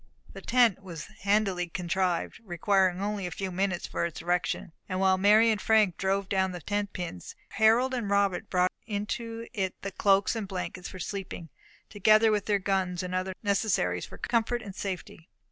The tent was handily contrived, requiring only a few minutes for its erection; and while Mary and Frank drove down the tent pins, Harold and Robert brought into it the cloaks and blankets for sleeping, together with their guns, and other necessaries for comfort and safety.